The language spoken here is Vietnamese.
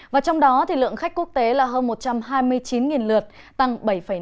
và trong đó lượng khách quốc tế là hơn một trăm hai mươi chín lượt tăng bảy năm